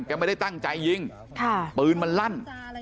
ไม่ได้ตั้งใจยิงปืนมันลั่น